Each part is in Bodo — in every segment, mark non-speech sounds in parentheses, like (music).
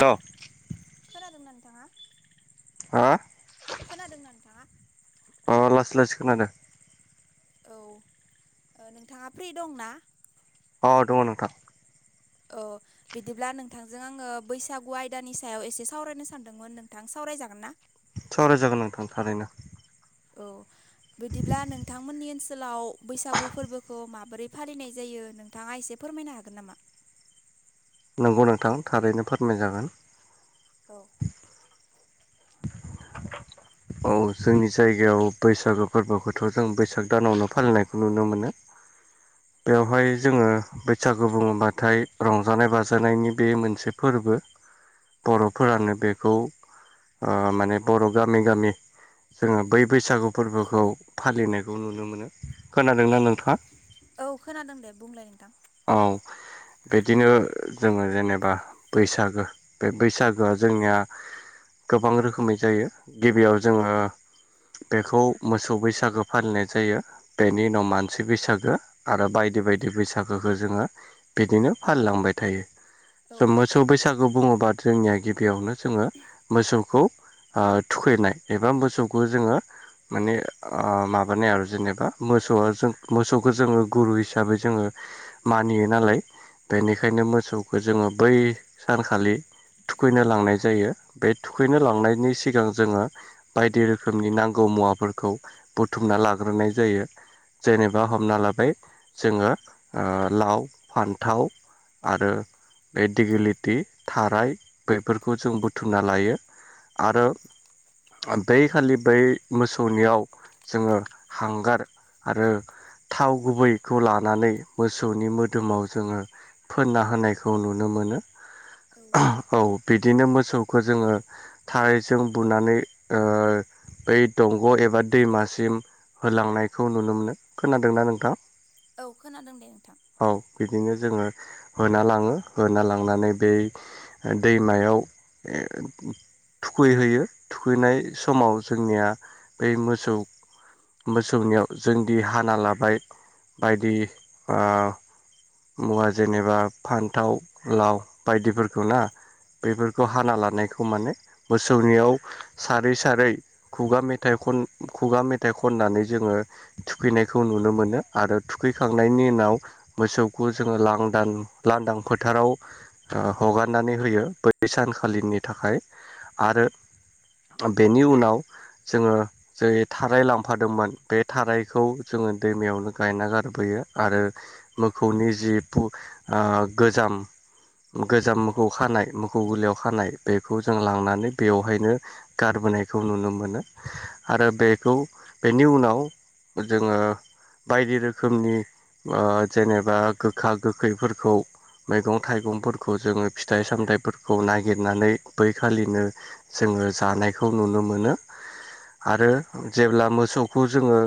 द नादोंना नोंथाङा हा खोनादोंना नोंथाङा लासै लासै खोनादों औ नोंथाङा फ्रि दंना औ दंङ नोंथां औ बिदिब्ला नोंथांजों आंङो बैसागु आयदानि सायाव एसे सावरायनो सानदोंमोन नोंथां साव - रायजागोन ना सावराय जागोन नोंथां थारैनो औ बिदिब्ला नोंथांमोननि ओनसोलाव बैसागु फोरबोखौ मा - बोरै फालिनाय जायो नोंथाङा एसे फोरमायनो हागोन नामा नंगौ नोंथां थारैनो फोरमाय जागोन औ (inaudible) औ जोंनि जायगायाव बैसागो फोरबोखौथ' जों बैसाग दानावनो फालिनायखौ नुनो मोनो बेवहाय जोङो बैसागु बुङोबाथाय रंजानाय बाजानायनि बे मोनसे फोरबो औ फोरबो बर'फोरानो बेखौ आ माने बर' गामि गामि जोङो बै बैसागु फोरबोखौ फालिनायखौ नुनो मोनो खोनादोंना नोंथाङा औ खोनादों दे बुंलाय नोंथां औ बिदिनो जोङो जेनेबा बैसागो बे बैसागोआ जोंनिया गोबां रोखोमै जायो गिबियाव जोङो बेखौ मोसौ बैसागो फालिनाय जायो बेनि उनाव मानसि बैसागो आरो बाय - बायदि बायदि बैसागोखौ जोङो बिदिनो फालिलांबाय औ थायो मोसौ बैसागु बुङोबा जोंनिया गिबियावनो जोङो मोसौखौ आ थुखैनाय एबा मोसौखौ जोङो माने माबानाय आरो जेनेबा मोसौआ जों मोसौखौ जोङो गुरु हिसाबै जोङो मानियो नालाय बेनिखायनो मोसौखौ जोङो बै सानखालि थुखैनो लांनाय जायो बे थुखैनो लांनायनि सिगां जोङो बायदि रोखोमनि नांगौ मुवाफोरखौ बुथुमना लाग्रोनाय जायो जेनेबा हमना लाबाय जोङो आ लाव फान्थाव आरो बे दिगेलिटि थाराय बेफोरखौ जों बुथुमना लायो आरो बै खालि बै मोसौनियाव जोङो हांगार आरो थाव गुबैखौ लानानै मोसौनि मोदोमाव जोङो फोनना होनायखौ नुनो मोनो औ औ बिदिनो मोसौखौ जोङो थाराइजों बुनानै ओ बै दंग एबा दैमासिम होलांनायखौ नुनो मोनो खोनादोंना नोंथां औ खोनादों दे नोंथां औ बिदिनो जोङो होना लाङो होना लांनानै बै दैमायाव ए थुखैहैयो थुखैनाय समाव जोंनिया बै मोसौ मोसौनियाव जोंदि हाना लाबाय बायदि मबा जेनेबा फान्थाव लाव बायदिफोरखौ ना औ बेफोरखौ हाना लानायखौ माने मोसौनियाव सारै सारै खुगा मेथाइ ख- खन खुगा मेथाइ खननानै जोङो थुखैनायखौ नुनो मोनो आरो थुखैखांना नायनि उनाव मोसौखौ जोङो लांदां लांदां फोथाराव हगारनानै होयो बै सानखालिनि थाखाय आरो बेनि उनाव जोङो जै थाराय लांफादोंमोन बे थारायखौ जोङो जोङो दैमायावनो गायना गारबोयो आरो मोखौनि जि गोजाम गोजाम मोसौ खानाय मोसौ गोरलयाव खानाय बेखौ जों लांनानै बेवहायनो गार होनायखौ नुनो मोनो आरो बेखौ बेनि उनाव जोङो बायदि रोखोमनि जेनेबा गोखा गोखैफोरखौ मैगं थाइगंफोरखौ जोङो फिथाइ सामथायाइफोरखौ नागिरनानै बैखालिनो जों आङो जानायखौ नुनो मोनो। आरो जेब्ला मोसौखौ जोङो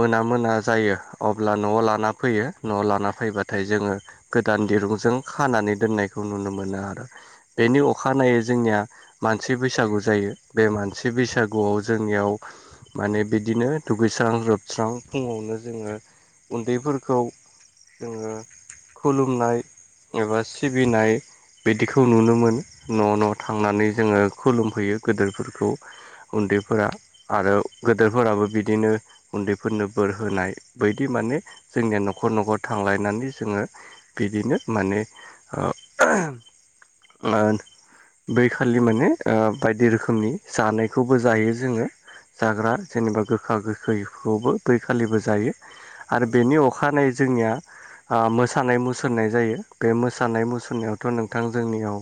मोना मोना जायो अब्ला न'आव लाना फैयो न' लाना फैबाथाय जोङो गोदान दिरुंजों खानानै दोननायखौ नुनो मोनो आरो। औ बेनि अखानायनायै जोंनिया मानसि बैसागु जायो बे मानसि बैसागुआव जोंनियाव माने बिदिनो दुगैस्रां जोबस्रां फुङावनो जोङो उन्दैफोरखौ जोङो। खुलुमनाय एबा सिबिनाय बिदिखौ नुनोमोन न' न' थांनानै जोङो खुलुमफैयो गोदोरफोरखौ। उन्दैफोरा आरो गेदोरफोराबो बिदिनो उन्दैफोरनो बोर होनाय बायदि माने जोंनिया न'खर न'खर थांलायनानै जोङो बिदिनो माने लान बै खालि माने ओ बायदि रोखोमनि जानायखौबो जायो जोङो। जाग्रा जेनेबा गोखा गोखैखौबो बैखालिबो जायो। आरो बेनि अखानायै ज जोंनिया ओ मोसानाय मुसुरनाय जायो बे मोसानाय मुसुरनायावथ' नोंथां जोंनियाव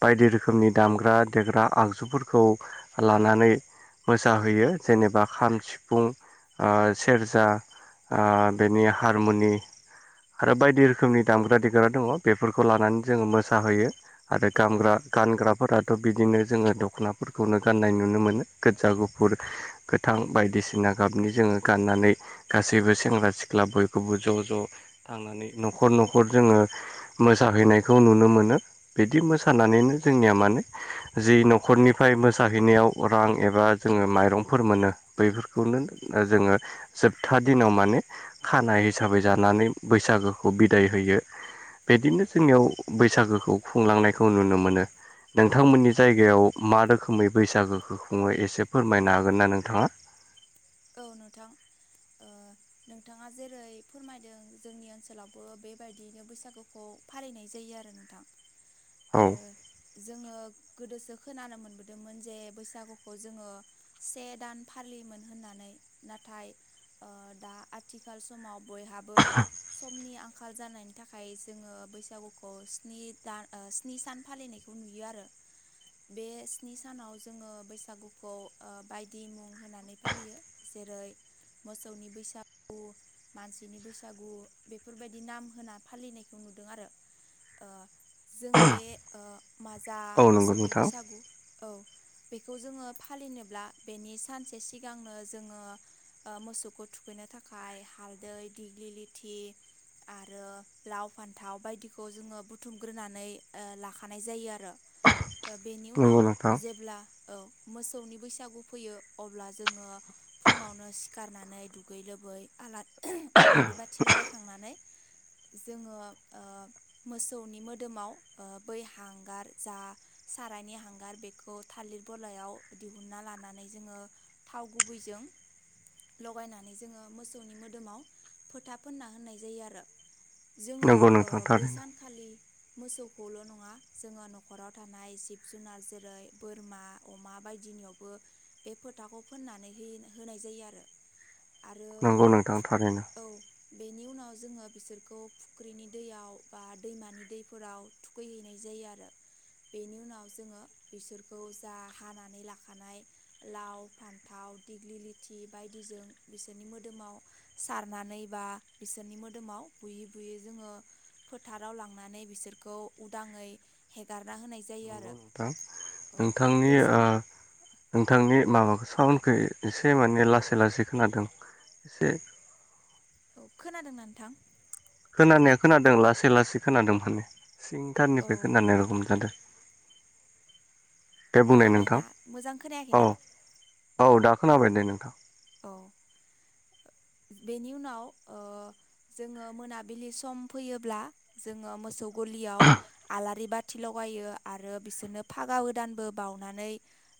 बायदि रोखोमनि दामग्रा देग्रा आगजुफोरखौ लानानै मोसाहैयो जेनेबा खाम सिफुं ओ सेरजा ओ बेनि हारमुनि आरो बायदि रोखोमनि दामग्रा देग्रा दङ बेफोरखौ लानानै जोङो मोसाहोयो। आरो औ गानग्रा गानग्राफोरा थ' बिदिनो जोङो दख'नाफोरखौनो गाननाय नुनो मोनो गोजा गुफुर गोथां बायदिसिना गनि जोङो गाननानै गासैबो सेंग्रा सिख ख्ला बयखौबो ज' ज' थांनानै न'खर न'खर जोङो मोसाहैनायखौ नुनो मोनो। बिदि मोसानानैनो जोंनिया मान जि न'खरनिफ्राय मोसाहैनायाव रां ए बा जोङो माइरंफोर मोनो बैफोरखौनो जोङो जोबथा दिनाव माने खानाय हिसाबै जानानै बैसागोखौ बिदाय होयो। बिदिनो जोंनियाव बैसागोखौ खुंलांनायखौ नुनो मोनो औ नोंथांमोननि जायगायाव मा रोखोमै बैसागोखौ खुङो एसे फोरमायनो हागोन नना नोंथाङा? औ नोंथां। ओ नोंथाङा जेरै फोरमायदों जोंनि ओनसोलावबो बेबायदियैनो बैसागुखौ फालिनाय जायो आरो नोंथां औ जोङो ओ। गोदोसो खोनानो मोनबोदोंमोन जे बैसागुखौ जोङो से दान फालि मोन। होननानै नाथाय ओ दा आथिखाल समाव बयहाबो समनि आं खाल जानायनि थाखाय जोङो बैसागुखौ स्नि दान ओ स्नि सान फालिनायखौ नुयो आरो। बे स्नि सानाव जोङो बैसागुखौ ओ बायदि मुं होनानै फालियो जेरै मोसौनि बैसागु मानसिनि बैसागु बेफोरबायदि नाम होना फालिनायखौ नु नुदों आरो ओ जों बे ओ माजा औ नंगौ मोसौनि नोंथां बैसागु औ। बेखौ जोङो फालिनोब्ला बेनि सानसे सिग गांनो जोङो मोसौखौ थुखैनो थाखाय हालदै दिग्लि लथि आरो लाव फान्थाव बायदिखौ जोङो बुथुमग्रोनानै ओ लाखानाय जायो आरो। ओ बेनि उनाव नंगौ नोंथां जेब्ला औ मोसौनि बैसागु फैयो अब्ला जोङो फुङावनो सिखारनानै दुगै लोबै आलारि बाथि लगायखांना नै। जोङो ओ मोसौनि मोदोमाव बै हांगार जा सारायनि हांगार बेखौ थालिर बलायाव दिहुनना लानानै जोङो थाव गुबैजों। लगायनानै जोङो मोसौनि मोदोमाव फोथा फोनना होननाय जायो आरो। जोङो नंगौ नोंथां थारैनो बैसानखालि मोसौखौल' नङा जोङो न'खराव थानाय जिब जुनार जेरै बोरमा अमा बायदि नियावबो बे फोथाखौ फोननानै होनाय जायो आरो। आरो नंगौ नोंथां थारैनो। औ बेनि उनाव जोङो बिसोरखौ फुख्रिनि दैयाव बा दैमानि दैफोराव थुखैहैनाय जायो आरो। बेनि उनाव जोङो बिसोरखौ जा हानानै लाखानाय लाव फान्थाव दिग्लि लिथि बायदिजों बिसोरनि मोदोमाव सारनानै बा बिसोरनि मोदोमाव बुयै बुयै जोङो फोथाराव लांनानै बिसोरखौ उदाङै हेगारना होननाय जायो नंगौ आरो। नोंथां औ नोंथांनि बै ओ सान नोंथांनि माबाखौ साउनखौ एसे माने लासै लासै खोनादों एसे औ खोनादोंना नोंथां? खोनानाया खोनादों लासै लासै खोनादों माने औ सिंथारनिफ्राय खोनानाय रखम जादों। दे बुंनाय नोंथां खोनाबायना मोजां औ खोनायखैना? औ दाखोनाबाय दे नोंथां। औ बेनि उनाव ओ जोङो मोनाबिलि सम फैयोब्ला जोङो मोसौ गलियाव आलारि बाथि लगायना होयो। आरो बिसोरनो फागा गोदानबो बावनानै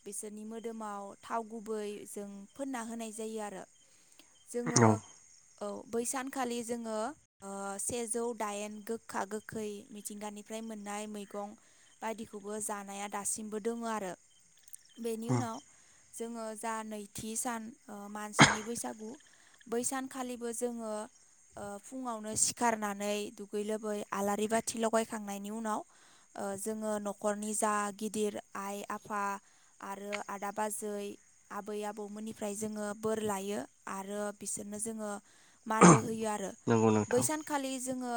बिसोरनि मोदोमाव थाव गुबै होयो जों फोनना होनाय जायो आरो। औ जोङो औ बैसानखालि जोङो सेजौ दाइन गोखा गोखै मिथिंगानि फ्राय मोननाय मैगं बायदिखौबो जानाया दासिमबो दङ आरो। बेनि उनाव जोङो जा नैथि सान मानसिनि बैसागु बैसानखालिबो जोङो ओ फुङावनो सिखारनानै दुगै लोबै आलारि बाथि लगायखांनायनि उनाव जोङो न'खरनि जा गिदिर आइ आफा आरो आदा बाजै आबै आबौमोननिफ्राय जोङो बोर लायो। आरो बिसोरनो जोङो मानबो होयो आरो। नंगौ नोंथां बैसानखालि जोङो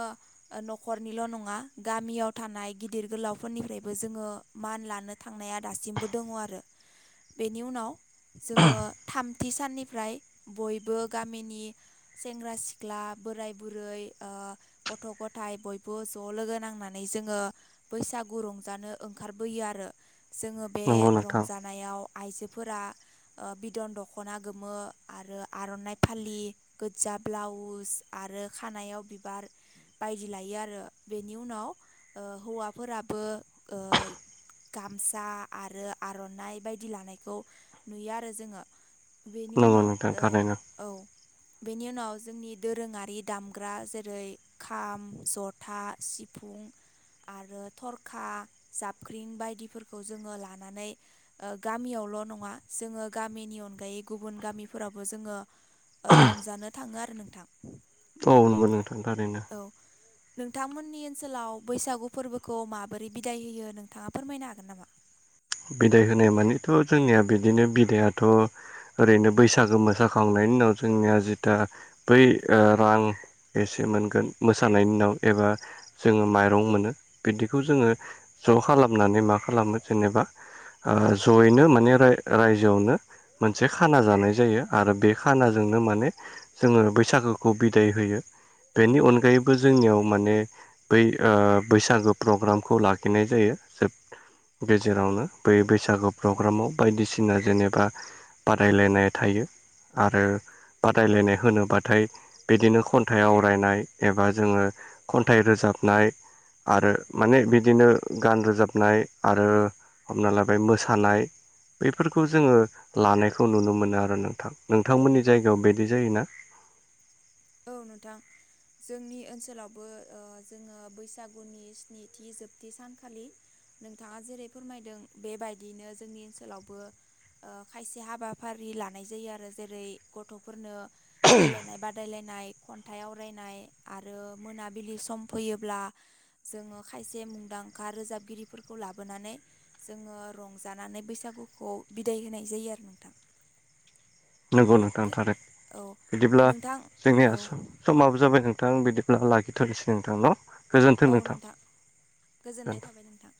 न'खरनिल' नङा गामियाव थानाय गिदिर गोलावफोरनिफ्राय बो जोङो मान लानो थांनाया दासिमबो दङ आरो। बेनि उनाव जोङो थामथि साननिफ्राय बयबो गामिनि सेंग्रा सिख्ला बोराय बुरै गथ' ओ गथ' ग' थाय बयबो ज' लोगो नांनानै जोङो बैसागु रंजानो ओंखारबोयो आरो। जोङो बे नंगौ नोंथां रंजानायाव आइजोफोरा बिद'न दख'ना गोमो आरो आर'नाइ फालि गोजा ब्लाउस आरो खानायाव बिबार बायदि लायो आरो बेनि उनाव हौवाफोराबो गामसा आरो आर'नाइ बायदि लानायखौ नुयो आरो जोङो। बेनि नंगौ उनाव नोंथां ओ थारैनो। औ बेनि उनाव जोंनि दोरोङारि दामग्रा जेरै खाम जथा सि फुं आरो थरखा जाबख्रिं बायदिफोरखौ जोङो लानानै ओ गामियाव ल' नङा जोंङो गामिनि अनगायै गुबुन गामि फोरावबो जोङो रंजानो थाङो आरो नोंथां। अ' नंगौ नोंथां थारैनो। औ नोंथांमोननि ओनसोलाव बैसागु फोरबोखौ माबोरै बिदाय होयो नोंथाङा फोरमायनो हागोन नामा? बिदाय होनाय मानेथ' जोंनिया बिदिनो बिदायाथ' ओरैनो बैसागो मोसाखांनायनि उनाव जोंनिया जिथु बै रां एसे मोनगोन मोसानायनि उनाव एबा जोङो माइरं मोनो बिदिखौ जोङो ज' खालामनानै मा खालामो जेनेबा आ जयैनो माने राय-रायजोआवनो मोनसे खाना जानाय जायो आरो बे खानाजोंनो माने जोङो बैसागोखौ बिदाय होयो। औ बेनि अनगायैबो ज जोंनियाव माने बै बैसागो प्रग्रामखौ लाखिनाय जायो जोब गेजेरावनो बै बैसागु प्रग्रामाव बायदिसिना जेनेबा बादायलायनाय थायो। आरो बादायलायनाय होनोबाथाय बिदिनो खन्थाइ आवरायनाय एबा जोङो खन्थाइ रोजाब नाय आरो माने बिदिनो गान रोजाबनाय आरो हमना लाबाय मोसानाय बेफोरखौ जोङो लानायखौ नुनो मोनो आरो नोंथां औ नोंथांमोननि जायगायाव बेदि जायोना? (inaudible) औ नोंथां जोंनि ओनसोलावबो जोङो बैसागुनि स्निथि जोबथि सानखालि नोंथाङा जेरै फोरमायदों बेबायदिनो जोंनि ओनसोलावबो ओ खायसे हाबाफारि लानाय जायो आरो जेरै गथ'फोरनो गेलेनाय बादाय लायन नाय खनथाय आवरायनाय आरो मोनाबिलि सम फैयोब्ला जोङो खायसे मुंदांखा रोजाबगिरिफोरखौ लाबोनानै जोङो रंजानानै बैसागुखौ बिदाय हो नाय जायो आरो नोंथां। नंगौ नोंथां थार औ बिदिब्ला नोंथां जोंनिया औ समाबो जाबाय न नोंथां बिदिब्ला लागिथ'नोसै नोंथांन' औ नोंथां गोजोननाय गोजोन्थों। थाबाय नोंथां